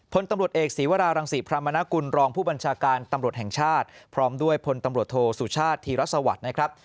พลตำรวจเอกศีวรารังศิพรรมนกุลรองผู้บัญชาการตำรวจแห่งชาติพร้อมด้วยพลตำรวจโทสุชาติธีรสวัสดิ์นะครับ